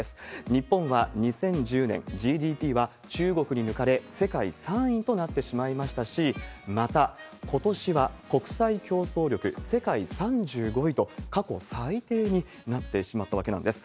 日本は２０１０年、ＧＤＰは中国に抜かれ、世界３位となってしまいましたし、また、ことしは国際競争力世界３５位と、過去最低になってしまったわけなんです。